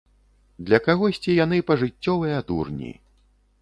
Для кагосьці яны пажыццёвыя дурні.